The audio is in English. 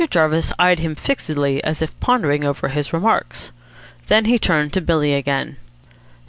Jarvis eyed him fixedly, as if pondering over his remarks. Then he turned to Billy again.